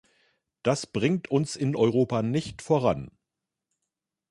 Das bringt uns in Europa nicht voran!